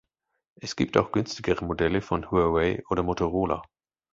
Es gibt auch günstigere Modelle von Huawei oder Motorola.